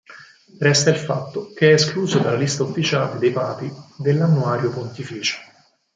Resta il fatto che è escluso dalla lista ufficiale dei papi dell"'Annuario pontificio".